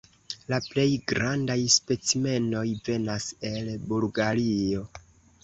La plej grandaj specimenoj venas el Bulgario.